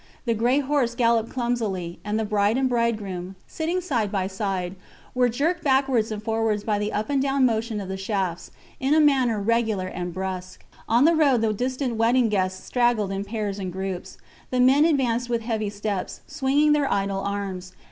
The gray horse galloped clumsily, and the bride and bridegroom, sitting side by side, were jerked backwards and forwards by the up and down motion of the shafts, in a manner regular and brusque. On the road the distanced wedding guests straggled in pairs and groups. The men advanced with heavy steps, swinging their idle arms.